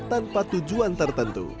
tanpa tujuan tertentu